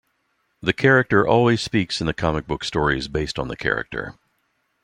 The character always speaks in the comic book stories based on the character.